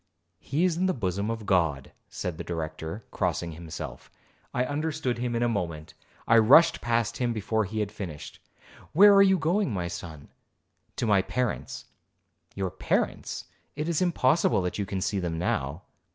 'He is in the bosom of God,' said the Director, crossing himself. I understood him in a moment,—I rushed past him before he had finished. 'Where are you going, my son?' 'To my parents.' 'Your parents,—it is impossible that you can see them now.'